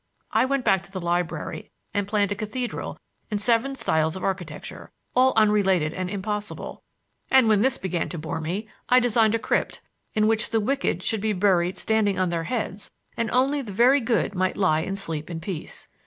I went back to the library and planned a cathedral in seven styles of architecture, all unrelated and impossible, and when this began to bore me I designed a crypt in which the wicked should be buried standing on their heads and only the very good might lie and sleep in peace.